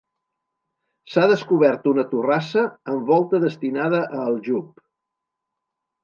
S'ha descobert una torrassa amb volta destinada a aljub.